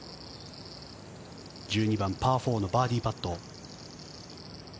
１２番、パー４のバーディーパット。